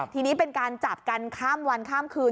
ที่นี้เป็นการจับกันค่ำวันค่ำคืน